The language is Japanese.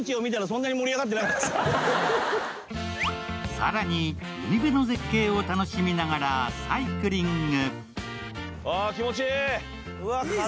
更に、海辺の絶景を楽しみながらサイクリング。